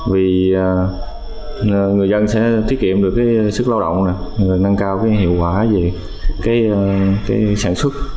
vì người dân sẽ thiết kiệm được sức lao động nâng cao hiệu quả về sản xuất